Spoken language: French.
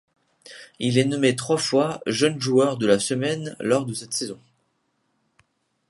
Il est nommé trois fois jeune joueur de la semaine lors de cette saison.